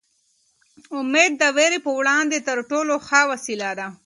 امېد د وېرې په وړاندې تر ټولو ښه وسله ده.